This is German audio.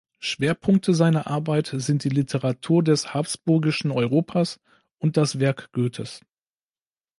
Schwerpunkte seiner Arbeit sind die Literatur des habsburgischen Europas und das Werk Goethes.